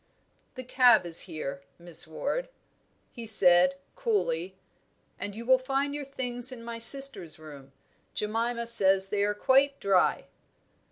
"The cab is here, Miss Ward," he said, coolly; "and you will find your things in my sister's room. Jemima says they are quite dry."